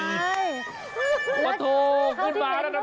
อยากขอเป็นเพื่อนไมแพทย์คิดว่าครูมาตั้งนานแล้วนะ